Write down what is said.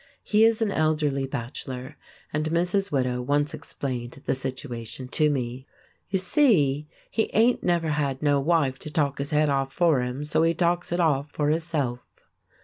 He is an elderly bachelor; and Mrs. Widow once explained the situation to me: "You see, he ain't never had no wife to talk his head off for him, so he talks it off for hisself."